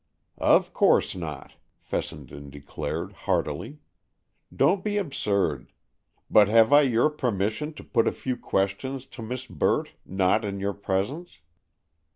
"Of course not!" Fessenden declared heartily. "Don't be absurd. But have I your permission to put a few questions to Miss Burt, not in your presence?"